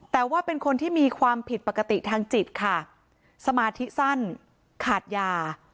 แต่ว่าเป็นคนที่มีความผิดปกติทางจิตค่ะสมาธิสั้นขาดยา